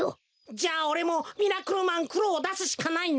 じゃあおれもミラクルマンくろをだすしかないな。